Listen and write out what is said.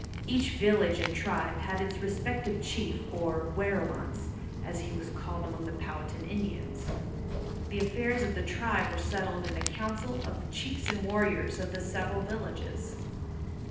Each village and tribe had its respective chief, or "werowance," as he was called among the Powhatan Indians. The affairs of the tribe were settled in a council of the chiefs and warriors of the several villages.